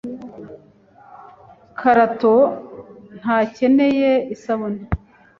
Karato ntakeneye isabune.